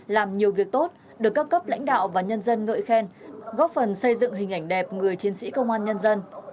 làm nhiều việc tốt được các cấp lãnh đạo và nhân dân ngợi khen góp phần xây dựng hình ảnh đẹp người chiến sĩ công an nhân dân